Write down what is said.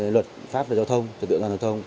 luật pháp về giao thông trực tượng giao thông